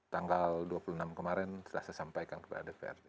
tanggal dua puluh enam kemarin sudah saya sampaikan kepada dprd